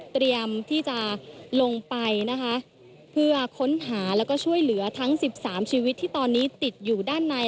เตรียมที่จะลงไปนะคะเพื่อค้นหาแล้วก็ช่วยเหลือทั้ง๑๓ชีวิตที่ตอนนี้ติดอยู่ด้านใน